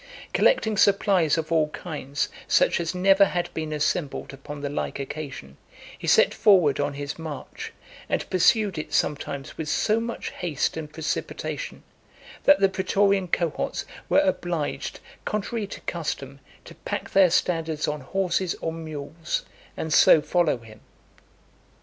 Collecting supplies of all kinds, such as never had been assembled upon the like occasion, he set forward on his march, and pursued it sometimes with so much haste and precipitation, that the pretorian cohorts were obliged, contrary to custom, to pack their standards on horses or mules, and so follow him.